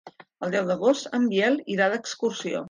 El deu d'agost en Biel irà d'excursió.